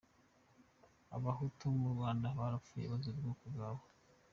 Abahutu mu Rwanda barapfuye bazira ubwoko bwabo.